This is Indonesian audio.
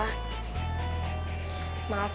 ya syukurlah kalo kamu gak apa apa